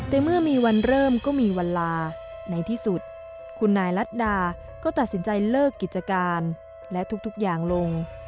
แต่เมื่อมีวันเริ่มก็มีวันลาในที่สุดคุณนายรัฐดาก็ตัดสินใจเลิกกิจการและทุกอย่างลง